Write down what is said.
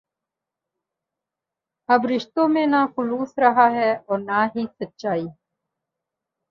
اب رشتوں میں نہ خلوص رہا ہے اور نہ ہی سچائی